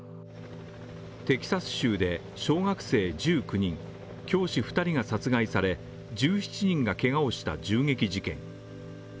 テキサス州で小学生１９人教師２人が殺害され、１１人がけがをした銃撃事件。